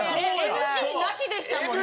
ＮＧなしでしたもんね。